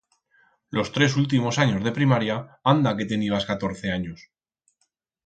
Los tres ultimos anyos de primaria, anda que tenibas catorce anyos.